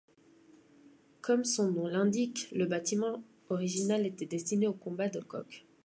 Comme son nom l'indique, le bâtiment original était destiné aux combats de coqs.